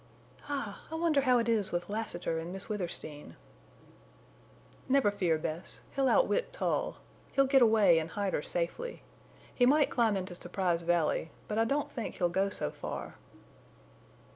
"Ah! I wonder how it is with Lassiter and Miss Withersteen." "Never fear, Bess. He'll outwit Tull. He'll get away and hide her safely. He might climb into Surprise Valley, but I don't think he'll go so far."